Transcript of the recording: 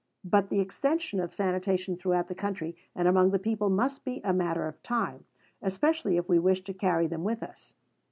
But the extension of sanitation throughout the country and among the people must be a matter of time, especially if we wish to carry them with us